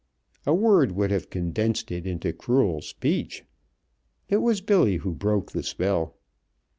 A word would have condensed it into cruel speech. It was Billy who broke the spell.